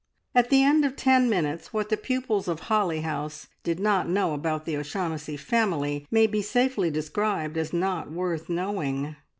At the end of ten minutes what the pupils of Holly House did not know about the O'Shaughnessy family may be safely described as not worth knowing!